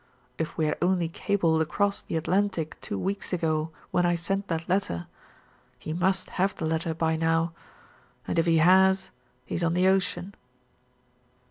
If we had only cabled across the Atlantic two weeks ago when I sent that letter he must have the letter by now and if he has, he's on the ocean."